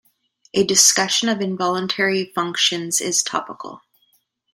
A discussion of involutory functions is topical.